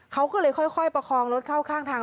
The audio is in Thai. เขาก็เลยค่อยประคองรถเข้าข้างทาง